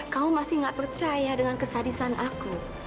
kamu masih gak percaya dengan kesadisan aku